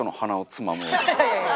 いやいや。